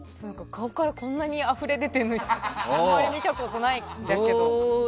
顔からこんなにあふれ出てるのあんまり見たことないんだけど。